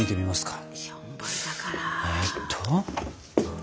えっと。